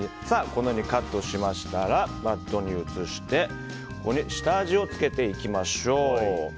このようにカットしましたらバットに移して下味をつけていきましょう。